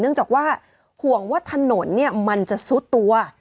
เนื่องจากว่าห่วงว่าถนนมันจะซุดตัว